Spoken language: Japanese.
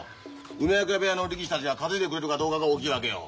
梅若部屋の力士たちが担いでくれるかどうかが大きいわけよ。